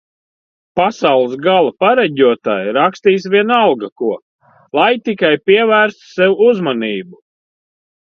Pasaules gala pareģotāji rakstīs vienalga ko, lai tikai pievērstu sev uzmanību